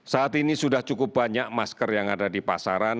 saat ini sudah cukup banyak masker yang ada di pasaran